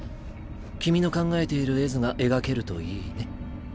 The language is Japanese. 君の考えている絵図が描けるといいね。